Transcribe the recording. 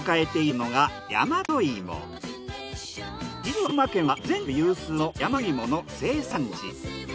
実は群馬県は全国有数の大和芋の生産地。